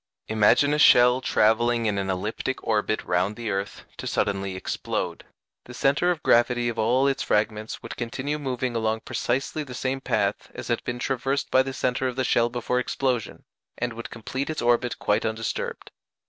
Imagine a shell travelling in an elliptic orbit round the earth to suddenly explode: the centre of gravity of all its fragments would continue moving along precisely the same path as had been traversed by the centre of the shell before explosion, and would complete its orbit quite undisturbed.